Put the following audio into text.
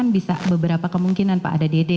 bisa beberapa kemungkinan pak adadede